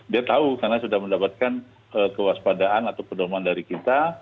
dia tahu karena sudah mendapatkan kewaspadaan atau pedoman dari kita